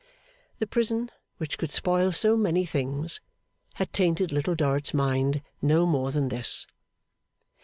The prison, which could spoil so many things, had tainted Little Dorrit's mind no more than this.